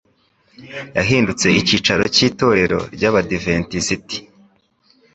yahindutse icyicaro cy'itorero ry'Abadiventisiti